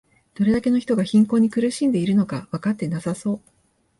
どれだけの人が貧困に苦しんでいるのかわかってなさそう